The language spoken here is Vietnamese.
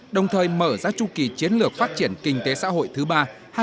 đồng thời mở ra chu kỳ chiến lược phát triển kinh tế xã hội thứ ba hai nghìn một hai nghìn ba mươi